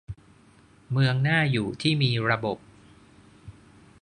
เมืองน่าอยู่ที่มีระบบ